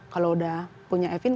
kalau udah punya evin